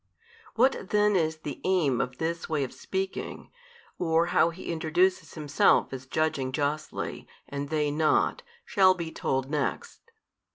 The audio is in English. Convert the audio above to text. What then is the aim of this way of speaking, or how He introduces Himself as judging justly, and they not, shall be told next.